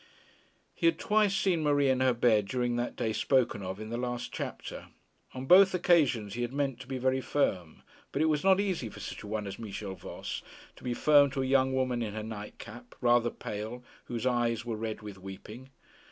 He had twice seen Marie in her bed during that day spoken of in the last chapter. On both occasions he had meant to be very firm; but it was not easy for such a one as Michel Voss to be firm to a young woman in her night cap, rather pale, whose eyes were red with weeping.